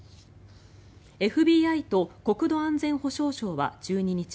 ＦＢＩと国土安全保障省は１２日